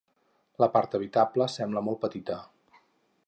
La part habitable sembla molt petita.